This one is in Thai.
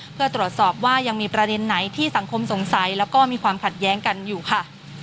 เพื่อตรวจสอบว่ายังมีประเด็นไหนที่สังคมสงสัยแล้วก็มีความขัดแย้งกันอยู่ค่ะ